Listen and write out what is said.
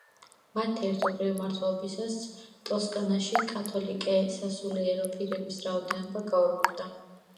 მათი ერთობლივი მმართველობისას ტოსკანაში კათოლიკე სასულიერო პირების რაოდენობა გაორმაგდა.